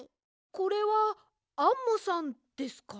これはアンモさんですか？